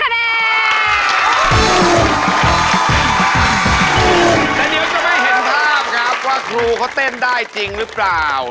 แล้วเดี๋ยวจะไม่เห็นภาพครับว่าครูเขาเต้นได้จริงหรือเปล่า